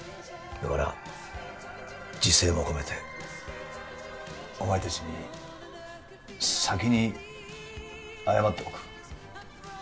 だから自省も込めてお前たちに先に謝っておく。